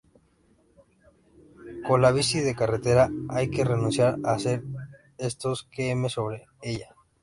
Con la bici de carretera hay que renunciar a hacer estos km sobre ella.